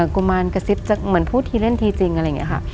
กุมารกระซิบจะเหมือนพูดทีเล่นทีจริงอะไรอย่างนี้ค่ะ